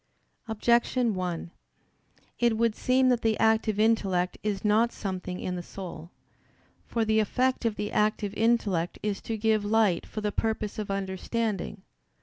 Objection 1: It would seem that the active intellect is not something in the soul. For the effect of the active intellect is to give light for the purpose of understanding.